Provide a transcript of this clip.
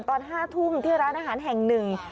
ตอน๕ทุ่มที่ร้านอาหารแห่งหนึ่ง